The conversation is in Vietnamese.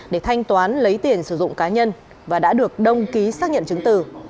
để thanh toán lấy tiền sử dụng cá nhân và đã được đồng ký xác nhận chứng từ